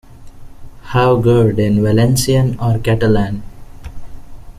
How good in Valencian or Catalan.